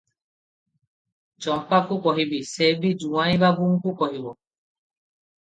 ଚମ୍ପାକୁ କହିବି, ସେ ବି ଜୁଆଇଁ ବାବୁଙ୍କୁ କହିବ ।